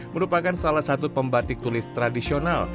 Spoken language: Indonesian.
merupakan salah satu pembatik tulis tradisional